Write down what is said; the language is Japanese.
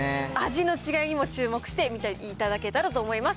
味の違いにも注目して見ていただけたらと思います。